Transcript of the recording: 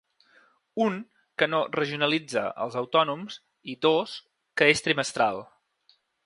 Un, que no ‘regionalitza’ els autònoms i, dos, que és trimestral.